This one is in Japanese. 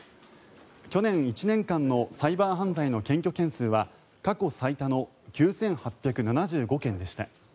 去年１年間のサイバー犯罪の検挙件数は過去最多の９８７５件でした。